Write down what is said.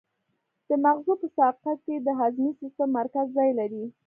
د مغزو په ساقه کې د هضمي سیستم مرکز ځای لري.